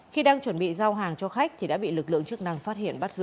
khi đang chuẩn bị giao hàng cho khách thì đã bị lực lượng chức năng phát hiện bắt giữ